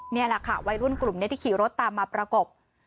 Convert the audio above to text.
นี่แหละค่ะวัยรุ่นกลุ่มนี้ที่ขี่รถตามมาประกบ